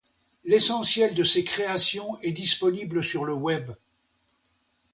L'essentiel de ses créations est disponible sur le web.